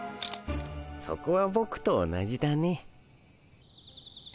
そこはボクと同じだね。